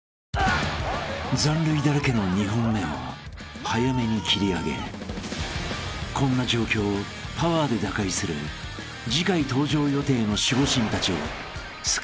［残塁だらけの２本目を早めに切り上げこんな状況をパワーで打開する次回登場予定の守護神たちをスクランブル登板へ］